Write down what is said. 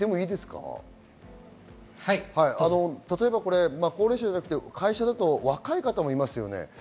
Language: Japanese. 例えば高齢者じゃなくて会社だと若い方もいます。